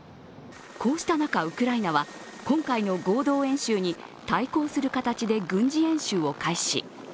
こうした中、ウクライナは今回の合同演習に対抗する形で軍事演習を開始。